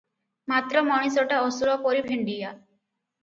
ମାତ୍ର ମଣିଷଟା ଅସୁର ପରି ଭେଣ୍ତିଆ ।